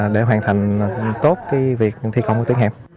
để hoàn thành tốt việc thi công tuyến hẻm